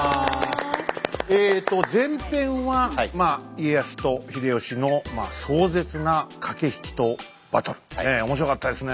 えと前編はまあ家康と秀吉の壮絶な駆け引きとバトル。ねえ面白かったですね。